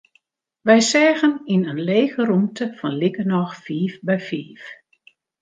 Wy seagen yn in lege rûmte fan likernôch fiif by fiif.